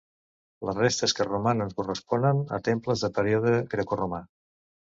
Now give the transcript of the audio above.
Les restes que romanen corresponen a temples del període grecoromà.